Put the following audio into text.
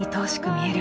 見える